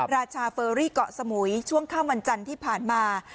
ราชาเฟอรี่เกาะสมุยช่วงค่ำวันจันทร์ที่ผ่านมา